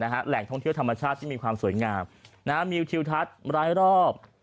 แหล่งท่องเที่ยวธรรมชาติที่มีความสวยงามมีทิวทัศน์รายรอบ